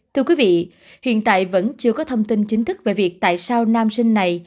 thưa quý vị hiện tại vẫn chưa có thông tin chính thức về việc tại sao nam sinh này